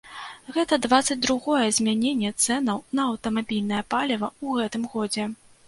Гэта дваццаць другое змяненне цэнаў на аўтамабільнае паліва ў гэтым годзе.